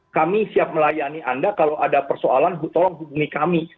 kami siap melayani anda kalau ada persoalan tolong hubungi kami